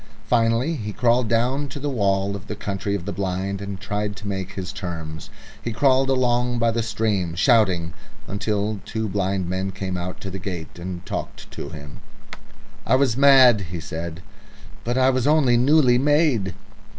Finally he crawled down to the wall of the Country of the Blind and tried to make terms. He crawled along by the stream, shouting, until two blind men came out to the gate and talked to him. "I was mad," he said. "But I was only newly made."